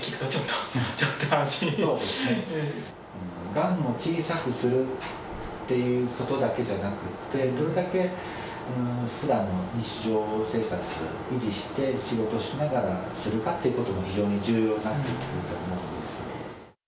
がんを小さくするっていうことだけじゃなくって、どれだけふだんの日常生活を維持して、仕事しながらするかということも非常に重要になってくると思うんです。